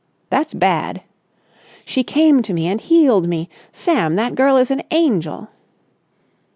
"That's bad!" "She came to me and healed me. Sam, that girl is an angel."